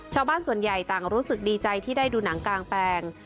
ชาวบ้านส่วนใหญ่ต่างรู้สึกดีใจที่ได้ดูหนังกางแปลง